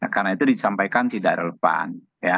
karena itu disampaikan di daerah lepasan ya